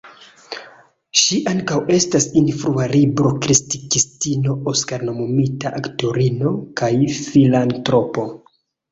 Ŝi ankaŭ estas influa libro-kritikistino, Oskar-nomumita aktorino, kaj filantropo.